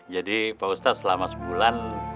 jadi pak ustaz selama sebulan